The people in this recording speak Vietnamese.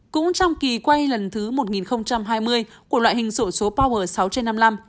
cũng trong kỳ quay lần thứ một nghìn hai mươi của loại hình sổ số power sáu